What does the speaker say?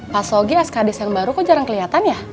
pak sogi skd seng baru kok jarang kelihatan ya